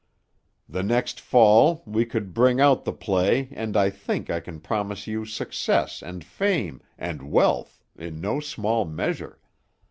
Then next fall we could bring out the play and I think I can promise you success and fame and wealth in no small measure.